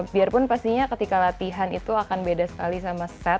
biarpun pastinya ketika latihan itu akan beda sekali sama set